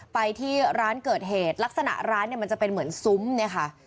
ไปที่ร้านเกิดเหตุลักษณะร้านเนี่ยมันจะเป็นเหมือนซุ้มเนี่ยค่ะ